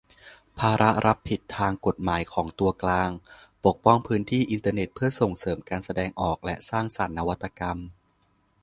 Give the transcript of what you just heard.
ภาระรับผิดทางกฎหมายของตัวกลาง : ปกป้องพื้นที่อินเทอร์เน็ตเพื่อส่งเสริมการแสดงออกและสร้างสรรค์นวัตกรรม